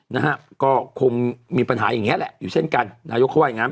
นะฮะก็คงมีปัญหาอย่างเงี้แหละอยู่เช่นกันนายกเขาว่าอย่างงั้น